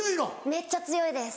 めっちゃ強いです。